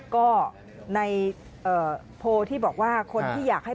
ก็ในโพลที่บอกว่าคนที่อยากให้